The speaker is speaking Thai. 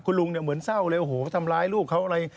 คุณลุงเนี่ยเหมือนเศร้าเลยโอ้โหทำร้ายลูกเขาอะไร